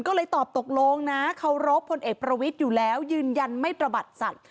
ก็เลยตอบตกลงนะเคารพพลเอกประวิทย์อยู่แล้วยืนยันไม่ตระบัดสัตว์